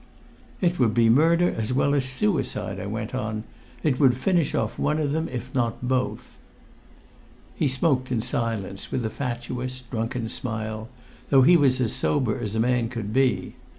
"It would be murder as well as suicide," I went on. "It would finish off one of them, if not both." He smoked in silence with a fatuous, drunken smile, though he was as sober as a man could be.